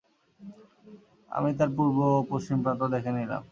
আমি তার পূর্ব ও পশ্চিম প্রান্ত দেখে নিলাম।